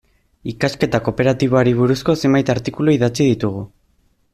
Ikasketa kooperatiboari buruzko zenbait artikulu idatzi ditugu.